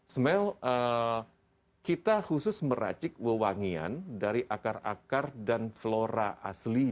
smell kita khusus meracik wawangian dari akar akar dan flora asin